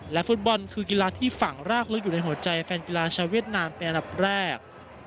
ฟุตบอลคือกีฬาที่ฝั่งรากลึกอยู่ในหัวใจแฟนกีฬาชาวเวียดนามเป็นอันดับแรก